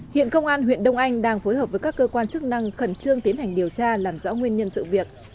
hiện công an huyện đông anh đang phối hợp với các cơ quan chức năng khẩn trương tiến hành điều tra làm rõ nguyên nhân sự việc